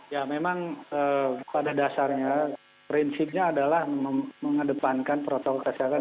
ya memang pada dasarnya prinsipnya adalah mengedepankan protokol kesehatan